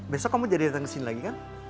besok kamu jadi datang kesini lagi kan